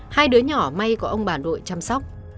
hai đứa nhỏ may có ông bà đội chăm sóc